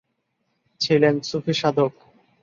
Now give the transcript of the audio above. ছিলেন সুফি সাধক।